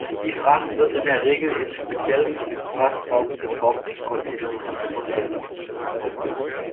Die Fracht wird in der Regel in speziell für den Frachtraum geformten Containern transportiert.